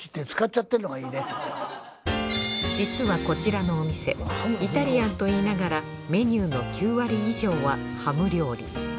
実はこちらのお店イタリアンといいながらメニューの９割以上はハム料理。